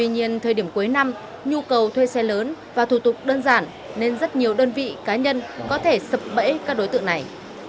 nhưng thời điểm cuối năm nhu cầu thuê xe lớn và thủ tục đơn giản nên rất nhiều đơn vị cá nhân có thể sập bẫy các đối tượng này